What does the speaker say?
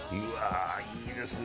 いいですね。